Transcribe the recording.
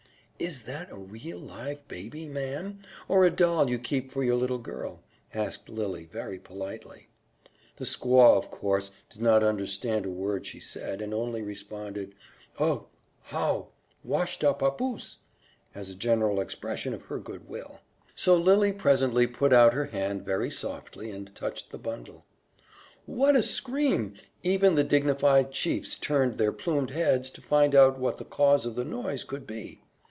"Is that a real, live baby, ma'am, or a doll you keep for your little girl?" asked Lily very politely. The squaw, of course, did not understand a word she said, and only responded: "Ugh! Howe! Washta papoose!" as a general expression of her good will. So Lily presently put out her hand very softly and touched the bundle. What a scream! Even the dignified chiefs turned their plumed heads to find out what the cause of the noise could be.